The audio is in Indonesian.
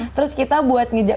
terus kita buat ngejek